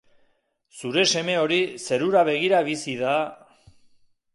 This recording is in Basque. Zure seme hori zerura begira bizi da...